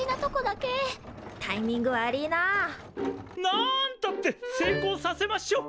なんたって成功させましょう！